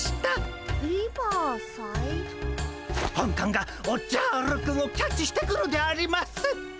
本官がおっじゃるくんをキャッチしてくるであります！